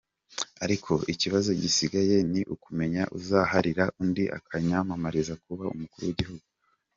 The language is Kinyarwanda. Ariko ikibazo gisigaye ni ukumenya uzaharira undi akiyamamariza kuba umukuru w’igihugu.